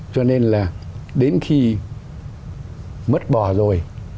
cho nên là đến khi mất bò rồi